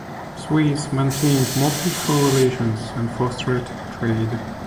Swedes maintained more peaceful relations and fostered trade.